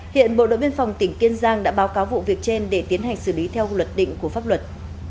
hiện bộ đội biên phòng tỉnh kiên giang đã báo cáo vụ việc trên để tiến hành xử lý theo luật định của pháp luật